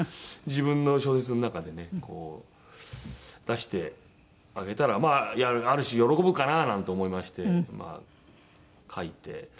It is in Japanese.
自分の小説の中でねこう出してあげたらまあある種喜ぶかななんて思いまして書いて。